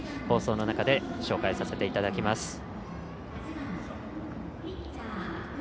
放送の中で紹介させていただきます。